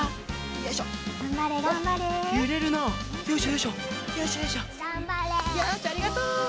よしありがとう！